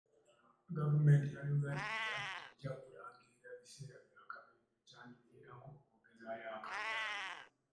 Gavumenti ya Uganda egambye tejja kulangirira biseera bya kabenje ekyandiviiriddeko okwongezaayo akalulu.